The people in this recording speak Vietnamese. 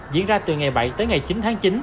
diễn ra từ ngày bảy tới ngày chín tháng chín